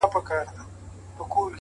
گلي؛